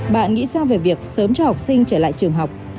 bạn nghĩ sao về việc sớm cho học sinh trở lại trường học